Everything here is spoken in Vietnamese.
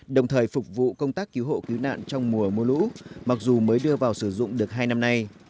đồng thời phục vụ công tác cứu hộ cứu nạn trong mùa mưa lũ mặc dù mới đưa vào sử dụng được hai năm nay